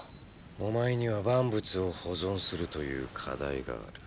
お前には万物を保存するという課題がある。